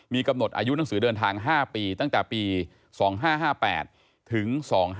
มีกำหนดอายุหนังสือเดินทาง๕ปีตั้งแต่ปี๒๕๕๘ถึง๒๕๖